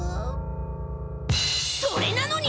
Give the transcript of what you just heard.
それなのに！